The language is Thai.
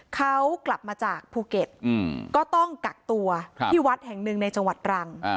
เขากลับมาจากภูเก็ตก็ต้องกักตัวที่วัดแห่งหนึ่งในจังหวัดตรัง